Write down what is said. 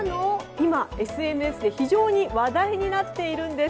今、ＳＮＳで非常に話題になっているんです。